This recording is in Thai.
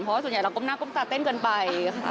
เพราะว่าส่วนใหญ่เราก้มหน้าก้มตาเต้นเกินไปค่ะ